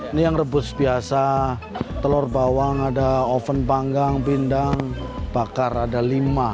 ini yang rebus biasa telur bawang ada oven panggang pindang bakar ada lima